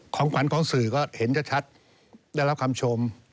ของขวัญของสื่อก็เห็นชัดได้รับคำชม